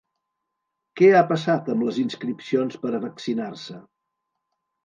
Què ha passat amb les inscripcions per a vaccinar-se?